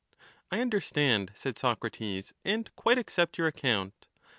I understand, said Socrates, and quite accept your account.